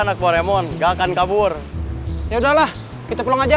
anak buah remon gak akan kabur ya udahlah kita pelan aja